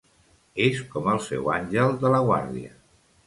És com el seu àngel de la guàrdia.